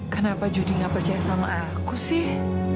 kenapa judi nggak percaya sama aku sih